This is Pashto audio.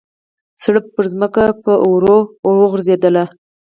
سړپ پرځمکه به ور وغورځېدله.